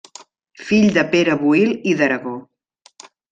Fill de Pere Boïl i d’Aragó.